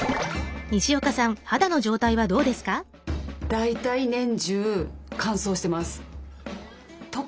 大体年中乾燥してます。